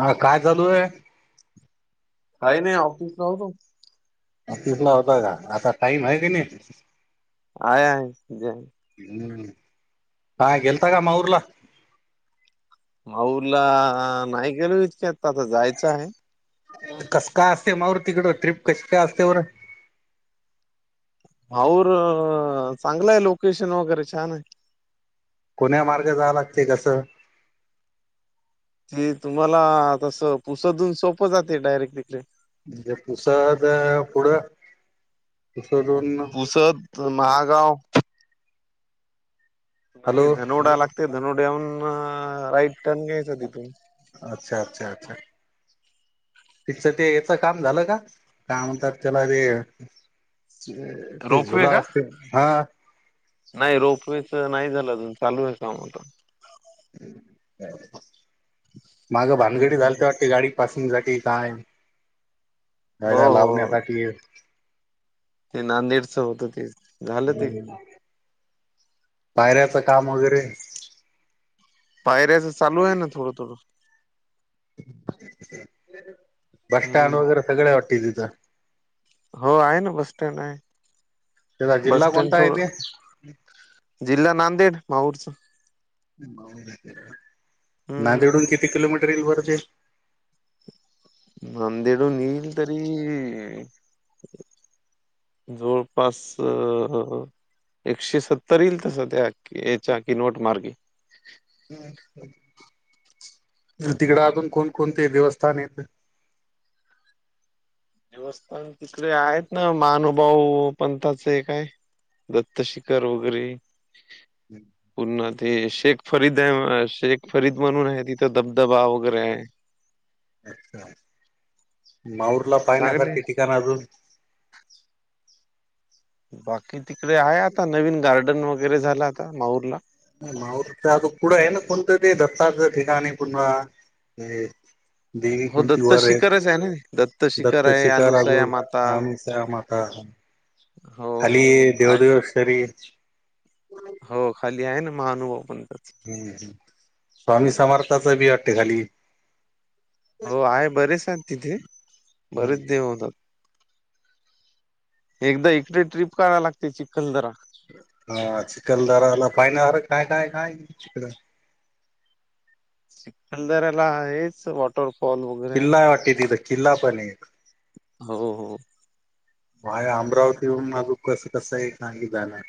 हा काय चालू हाय काही नाही ओफिस होतो. ऑफिसला होता का? आता टाइम आहे का नाही? आय आय. [unintelligible] हम्म हा गेलता का माउरला? माऊला नाही गेलोयच आता जायचा आहे. कसं काय असते मावर तिकडं ट्रीप कशी काय असते बरं? आऊर चांगलंय लोकेशन वगैरे छान आहे. कोण्या मार्ग जावा लागते कसं? ते तुम्हाला तसं पुसदून सोप्पं जाते डायरेक तिकडे. म्हणजे पुसादा पुढं पुसदून पुसद महागाव पुन्हा ते हॅलो धनोडा लागते धनोड्यावरून आ राईट टर्न घ्यायचा तिथून. अच्छा अच्छा अच्छा! तिचं ते ह्याच्या काम झालं का काय म्हणतात त्याला रे [inaudible] ते रोपवे झुला का असतील हा. नाही रोपवेचा नाही झालं अजून चालू आहे काम आता. मागं भानगडी हम्म झालते वाटते गाडी पासून साठी काय हो गाड्या हो लावण्यासाठी ते नांदेडचा होता तेच. हम्म पाहिऱ्याचा काम वगैरे पायऱ्याचं चालू आहे ना थोडं-थोडं. बस स्टँड हम्म वगैरे सगळं आहे वाटते तिथं. हो आहे ना बस स्टॅन्ड आहे त्याचा बस जिल्हा स्टँड कोणता आहे ते थोडं जिल्हा नांदेड माऊरचा. नांदेडून हम्म किती किलोमीटर येईल बरं ते? मंदिरून येईल तरी जवळपास एकशे सत्तर येईल तसं त्या की याचा की नोट मार्गे तिकडं अजून कोण कोणते देवस्थान येतं? देवस्थान तिकडे आहेत ना महानुभाव पंथाचे काय दत्तशिखार वगैरे पुन्हा ते शेख फरीद आहे शेख फरीद म्हणून आहे तिथं धबधबा वगैरे आहे. अच्छा माऊरला चांगले पाहण्यासारखे ठिकाण अजून बाकी तिकडे आहे आता नवीन गार्डन वगैरे झालं आता माऊरला. माऊर त्या गं पुढं आहे ना कोणतं ते दत्ता गं ठिकाणी पुन्हा हे देवी हो कुंती दत्त वर आहे, शिखरच ना शिखर दत्त आहे शिखरा. अनुसया माता [unintelligible] त्या माता हो, खाली हो. आहेत. देवदेवशरी- हो खाली आहे ना महानुभव पंताच. हम्म स्वामी समर्थाचा बी वाटते खाली हो आहे बरेच आहेत तिथे बरेच देव होतात. एकदा इकडे ट्रीप कराय लागते चिखलदरा. हा चिखलदाराला पाहिणाऱ्या काय काय काय चिकडं चिखलदाराला आहेस वाट वटरफॉल वग किल्ला वाटी तिथं किल्ला पण एक हो हो. वाया अमरावतीवरून मागं कसं कसं आहे [unintelligible] जाणार.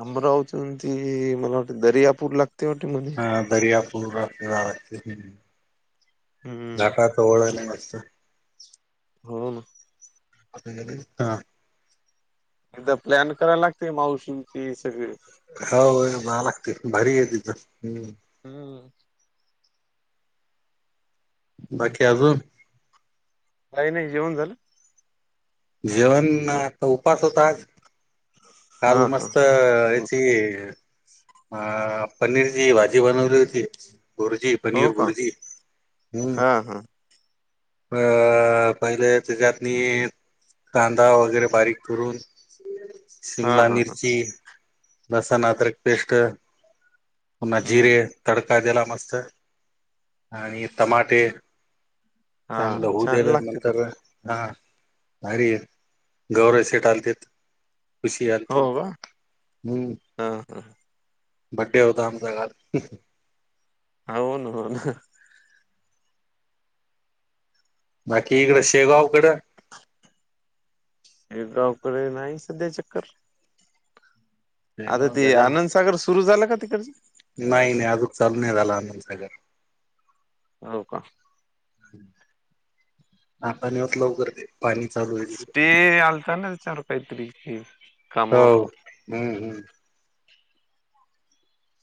अमरावती वरून ती मला वाटते दरियापूर लागतेे वाटते मना हा दर्यापूराला वाटतं की नाही हम्म. जाता आता ओळयले मस्त. हो ना. [unintelligible] हा. एकदा प्लॅन करायला लागते मावशींती सगळे. हो जा लागते भारी आहे तिथ, हम्म. हम्म. बाकी आजून? काही नाही जेवण झालं? जेवण नाही आता, उपास होता आज. काल हा, हा. मस्त हो याची अ पनीरची भाजी बनवली होती बुरजी. हो पनीर का? बुरजी, हम्. हा, हा. अ पहिले त्याच्यातनी, कांदा वगैरे बारीक करून. हा, शिमला हा, हा. मिरची, लसण अदरक पेस्ट. पुन्हा हम्म. जिरे तडका दियाला मस्त, आणि टमाटे. हा चांगलं होऊ छान दिल्या लागते. नंतर, ते. हा अर गौरसेेट आलते. खुशी हो आलती, का? हम्म. हा, हा. बडे होता आमचा काल. अ होन, होन हं. बाकी इकडं शेगावकडें. हे गावकडे नाही सध्या चक्कर! आता शेगाव ते गजानन आनंदसागर सुरू झालं का तिकडच? नाही नाही, अजून चालू नाही झाला आनंदसागर. हो का? आपताणी होत लवकरते. पाणी चालू आहे. तिकडे स्टे आलता न कायतरी है? हो, हम्म हम्म.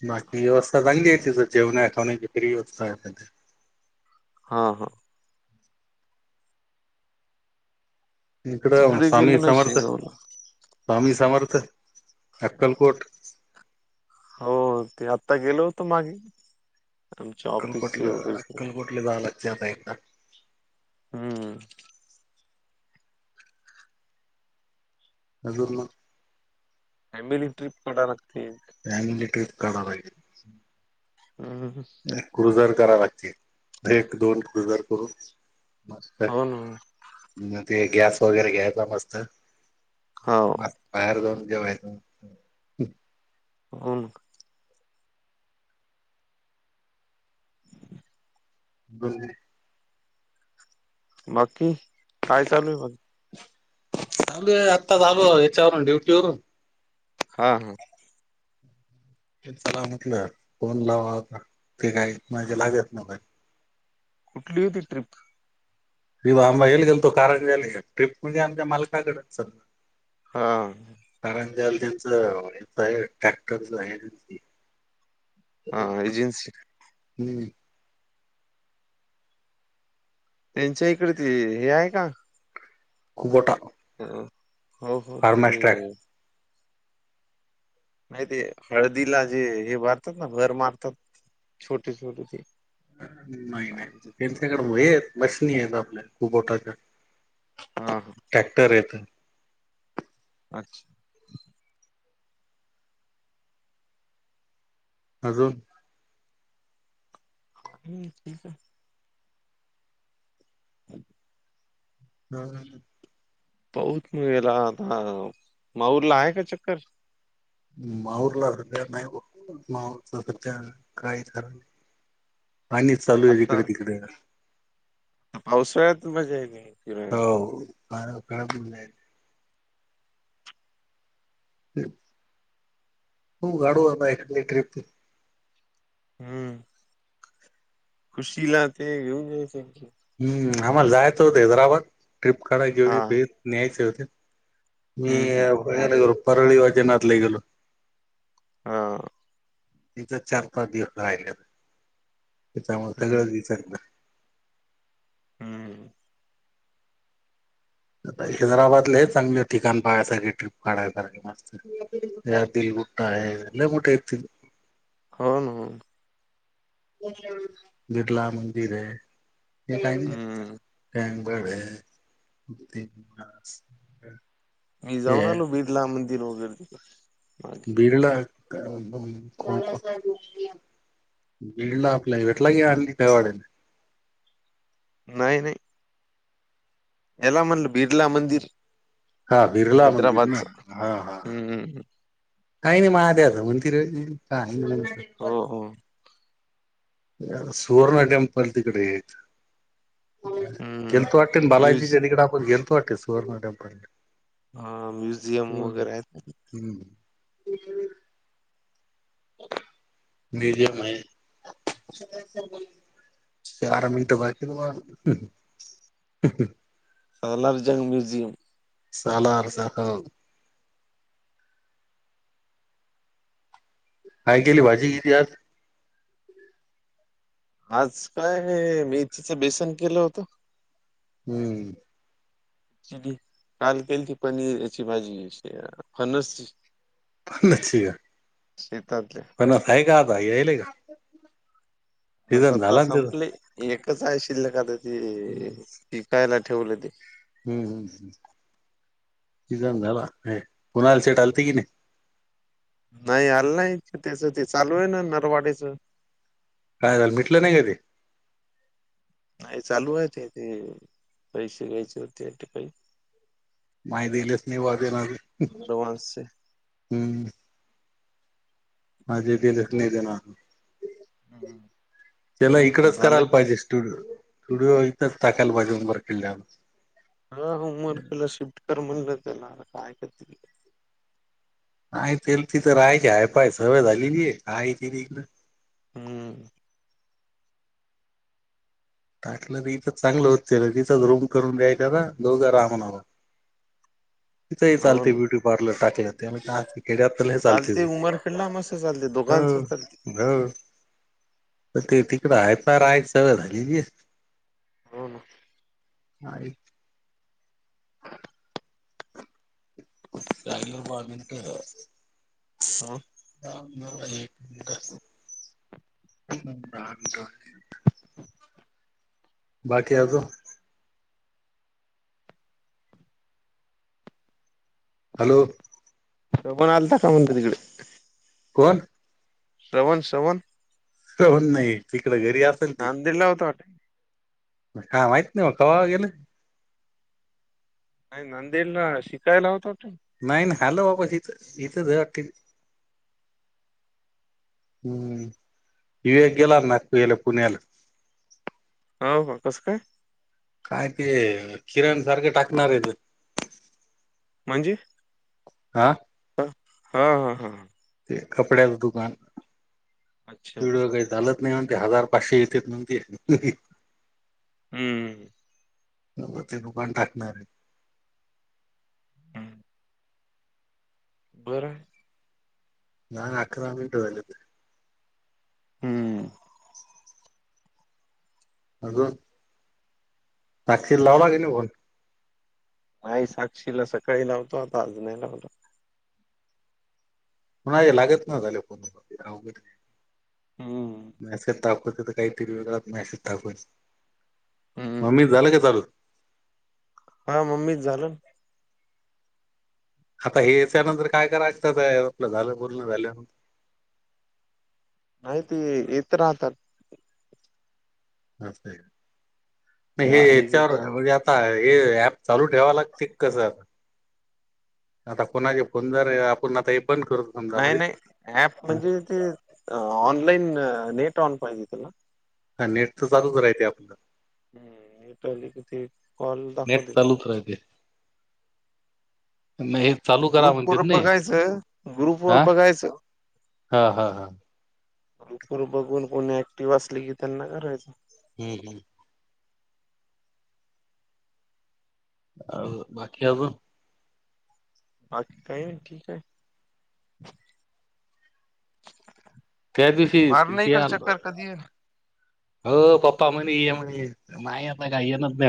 बाकी व्यवस्था चांगली आहे, तिसं जेवणा आहेखची फरी व्यस्था आहे. हा हा. इकड तिकडे स्वामी गेलो ना समर्थ, शेगावला स्वामी समर्थ अकलकोट. हो ते आता गेलो होत मागे, आमच्या ऑफिसचे वगैरे. कल झाला आता एक. हम्म. अजून ल फॅमिली ट्रिप कडा लागते. फॅमिली ट्रिप काढाल. हम हम. क्रुझर करा लागते, एक दोन क्रुझर करून मग काय. हो ना म ते गॅस वगैरे घ्यायचा मस्त. हो. मस् बाहेर जाऊन जेव्हाय होन. बज. [unintelligible] बाकी, काय चालू आहे मग? आगली आत्ता आलो, याचवरून ड्युटीवररून. हा हा. चला म्हटलं, फोन लावा होता ते काही माजे लागत ना. कुठली होती ट्रिप? विव आमबा येईल गेल तो कारण ग ट्रिप म्हणजे आमच्या मालकाकडे स. हा. कारण द्याल त्याच, आहे ट्रॅक्टरच आहे. हा एजन्सी हम्म. त्यांच्या इकडे ते हे आहे का? खुवटा. अ हो हो ते. नाही ते हळदीला जे हे भारतात ना, भर मारतात छोटे छोटे ते. नाही काय नाही म्हणतात त्याला त्यांच्याकड आहेत, मशनी आहेत आपल्या खूपोठाच्या. हा हा. ट्रॅक्टर येत. अच्छा. अजून. हम्म ठीक ये. [inaudible] हम्म. पाहूत मला गेला आता, माहूरला आहे का चक्कर. माहूरला सध्या नाही, माहूरच सध्या काही खरं नाही. पाणीच चालू आहे इकडे आता तिकडे. पावसाळ्यात मजा येते भिरायला. बार [unintelligible] हो [unintelligible] आता एक ट्रीप हम्म. खुशीला ते घेऊन [unintelligible] हम्म, आम्हाला जायचं होत हैदराबाद ट्रिप करायची हा होती न्यायचे होते. मी हम्म हम्म ब गो परळी वैजीनाथला गेलो. हा. तिचा चार पाच दिवस राहिले, तेच्यामुळे हम्म सगळं दिस ना. हम्. आ हैदराबादला हे चांगले ठिकाण पाहण्यायसारे ट्रिप काढायसारखे मस्त. या दिल [unintelligible] मोठा इतन हो ना. बिरला मंदिर ये. हम्म [unintelligible] मी हे जाऊन आलो, बीड ला मंदिर वगैर तिथं. [unintelligible] बीड ला आपल्या भेटला घे, आणली काय वाडल. नाही नाही. याला म्हणलं बिर्ला मंदिर. हा बिरला मंदिर ना, हैदराबादचं हा हा. हम्म हम्म, हम्म. काही नाही मा त्याला म्हणती रे काही. हो हो सुवर्ण टेंपल तिकडे येत. हम्म गेलतो वाटते म्युझ बालाजीच्या तिकड, आपण गेलतो वाटते सुवर्णा टेम्पला. हा म्युझियम वगैरे आहेत. हम्म. म्युझियम आहे. चार मी तर [unintelligible] सलारजंग म्यूझियम. सा ला अरसा हो. काय केली, भाजी केली आज. आज काय मिरचीचं बेसन केलं होतं. हम्म. काल केली ती, पनीर याची भाजी फणस. [unintelligible] शेतातले. पण आहे का आता यायलय का? बस सीझन आत्ता झाला ना त्याचा संपले एकच आहे शिल्लक आता त विकायला ठेवले ते. हम्म हम्म हम् सिझन झाला हे कुणाल सेठ आलते की नाही. नाही आल नाही त्याचं ते चालू आहे ना नरवाडी्च. काय झालं मिटलं नाही का ते. नाही चालू आहे तेथे पैसे घ्यायचे होते ते काही. माहि दिलेच नाही वाजेना ह. ऍडव्हान्सचे माझे [unintelligible] लख नाही निघना हम्म. त्याला आता इकडच झालं करायला की पाहिजे. स्टुडिओ स्टुडिओ इथ टाकायला पाहिजे उंबरकिल्यावर. सरळ उमरखीला शिफ्ट कर म्हणलं त्याला काय करतील. आहे तेल तिथ राहायची हाय फाय सवय झालेलीय काय येतील इकड. हम्म. टाकलंत इथं चांगलं होत तिथच रूम करून दयायचं ना दोघं राहा म्हणून. तिथंही हो ना चालते ब्युटी पार्लर टाकलं त्या खेड्यात लय चालते. मस्त चालते दोघांच चालते. अग [unintelligible] तिकडं हायफाय राहायची सवय झाली बी हो ना. आहेत. कायल ना [unintelligible] [unintelligible] बाकी श्रवण अजून. हॅलो. तो पण आलता का म्हणतो तिकडे. कोण? श्रवण श्रवण कोण नाही तिकडे घरी अस नंद दिला होता वाटे. मला काय माहित नाही कावा गेले. नाही नांदेड ला शिकायला होता तू. नाही ना आलो वापस इथं इथं [unintelligible] हम्म विवेक गेला ना [unintelligible] पुण्याला. हावू का कसं काय? काय ते किराणं सारखे टाकणार आहे ते. म्हणजे? हा. हा. हा हा हा... ते कपड्याचं दुकान अच्छा [unintelligible] चालत नाही म्हणते हजार पाचशे येतेत म्हणते हे हे. हम्म. न ते दुकान टाकणार आहे. बरं. दहा अकरा मिनिटं व्हायलेत हम्म. अग. साक्षीला लावला की नाही फोन नाही साक्षीला सकाळी लावतो आता आज नाही लावतो. कोणाले लागत ना झाले फोन अवघड हाय हम्म मेसेज टाकूत काही तरी वेगळा मेसेज टाकूत. हम्म मम्मीच झालं का चालू? हा मम्मीच झालं आता हे त्याच्यानंतर काय करायचत आपलं झालं बोलण झाल्यान नाही ते येत राहतात. ते आले की कर हेच्यावर म्हणजे आता हे ॲप चालू ठेवाय लागतंय की कसं? आता कोणाचे फोन जर आपण आता हे बंद करत नाही नाही ॲप म्हणजे ते ऑनलाईन नेट ऑन पाहिजे त्याला हा नेट तर चालूच राहते आपलं पहिले किती कॉल दा गॅस चालूच राहते. म हे चालू करा ग्रुप म्हणतात वर नाही बघायचं ग्रुप हा वर बघायचं. हा हा हा ग्रुपर बघून कोणी ऍक्टिव्ह असली की त्यांना करायचं हम्म हम्म आहो बाकी अजून बाकी काही ठीक आहे. त्यादिवशी मार ना ते इकडे आल म चक्कर कधी हो पप्पा म्हणे ये म्हणे नाही आता का येन नाही